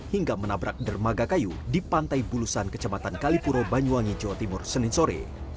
hingga menabrak dermaga kayu di pantai bulusan kecamatan kalipuro banyuwangi jawa timur senin sore